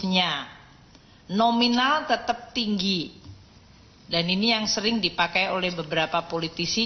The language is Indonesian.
nominal tetap tinggi dan ini yang sering dipakai oleh beberapa politisi